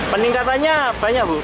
peningkatannya banyak bu